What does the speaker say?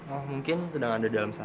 oh mungkin sedang ada di dalam sana